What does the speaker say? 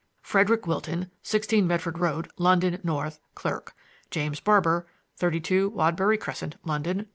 "Frederick Wilton, 16 Medford Road, London, N., clerk. "James Barber, 32 Wadbury Crescent, London, S.